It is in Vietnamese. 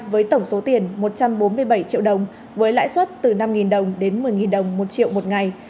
với tổng số tiền một trăm bốn mươi bảy triệu đồng với lãi suất từ năm đồng đến một mươi đồng một triệu một ngày